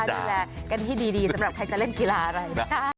ดูแลกันให้ดีสำหรับใครจะเล่นกีฬาอะไรนะคะ